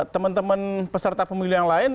teman teman peserta pemilih yang lain